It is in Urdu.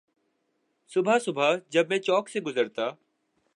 صبح صبح جب میں چوک سے گزرتا